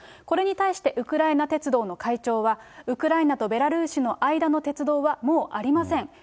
これに対して、ウクライナ鉄道の会長は、ウクライナとベラルーシの間の鉄道はもうありません。